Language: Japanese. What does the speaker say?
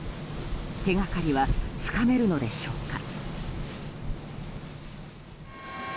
手掛かりはつかめるのでしょうか？